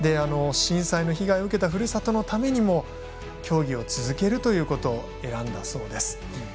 震災の被害を受けたふるさとのためにも競技を続けるということを選んだそうです。